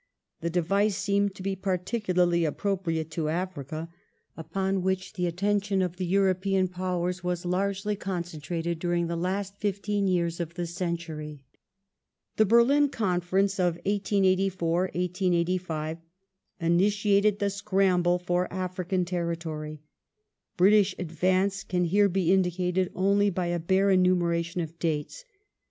The device seemed to be particularly appropriate to Africa, upon which the attention of the European Powers was largely concentrated during the last fifteen years of the century. Africa The Berlin Conference of 1884 1885 initiated the scramble for African territory. British advance can here be indicated only by a bare enumeration of dates.